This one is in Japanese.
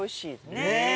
ねえ！